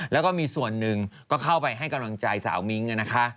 แล้วก็มีส่วนหนึ่งก็เข้าไปให้กำลังใจสาวมิ้งนะคะ